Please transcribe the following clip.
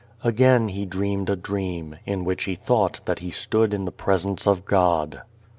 Again he dreamed a dream in which he thought that he stood in the presence of God.